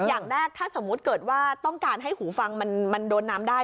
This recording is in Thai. อย่างแรกถ้าสมมุติเกิดว่าต้องการให้หูฟังมันโดนน้ำได้